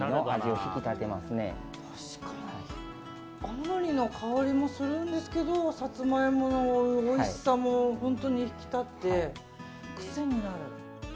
青のりの香りもするんですけどサツマイモのおいしさも本当に引き立って癖になる。